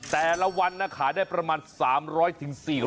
แต่ละวันนะขายได้ประมาณ๓๐๐๔๐๐